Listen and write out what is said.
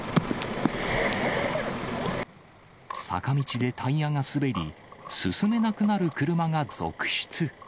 坂道でタイヤが滑り、進めなくなる車が続出。